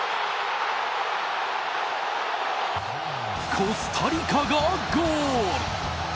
コスタリカがゴール！